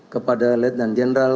kepada lieutenant general